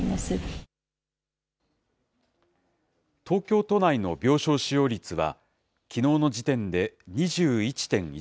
東京都内の病床使用率はきのうの時点で２１．１％。